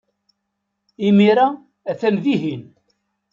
Imir-a, atan dihin.